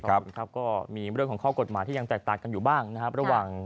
ครับก็มีเรื่องของข้อกฎหมายที่ยังแตกต่างกันอยู่บ้างนะครับระหว่าง